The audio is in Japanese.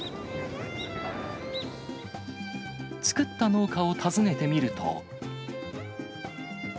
作った農家を訪ねてみると。